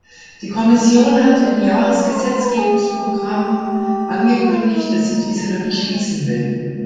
Die Kommission hat im Jahresgesetzgebungsprogramm angekündigt, dass sie diese Lücke schließen will.